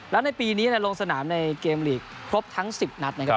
แล้วในปีนี้ลงสนามในเกมลีกครบทั้ง๑๐นัดนะครับ